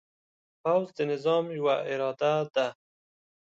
پوځ د نظام یوه اداره ده.